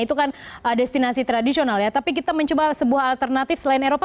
itu kan destinasi tradisional ya tapi kita mencoba sebuah alternatif selain eropa